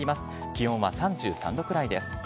気温は３３度くらいです。